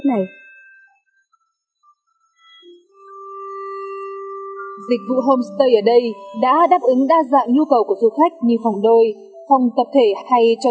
thưa quý vị và các bạn những homestay ở đây được người dân xây dựng hết sức gần gũi với thiên nhiên và mang đậm màu sắc của vùng đất